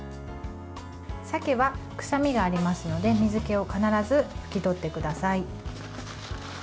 さけは臭みがありますので水けを必ず拭き取ってください。